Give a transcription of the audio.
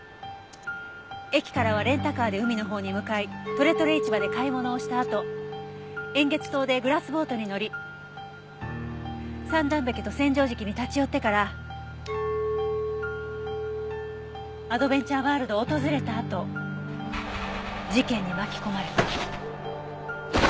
駅からはレンタカーで海のほうに向かいとれとれ市場で買い物をしたあと円月島でグラスボートに乗り三段壁と千畳敷に立ち寄ってからアドベンチャーワールドを訪れたあと事件に巻き込まれた。